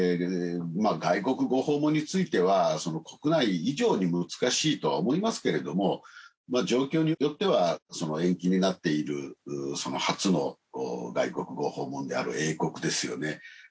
外国ご訪問については国内以上に難しいとは思いますけれども状況によっては延期になっている初の外国ご訪問である英国ですよね